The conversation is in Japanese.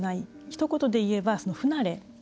ひと言で言えば不慣れ。